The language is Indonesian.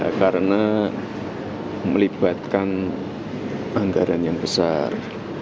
ya karena melibatkan anggaran yang besar